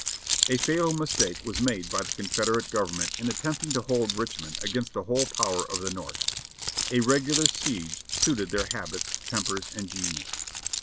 A fatal mistake was made by the Confederate Government in at tempting to hold Richmond against the whole power of the North. A regular siege suited their habits, tempers and genius.